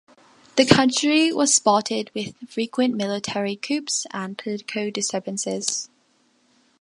The country was spotted with frequent military coups and political disturbances.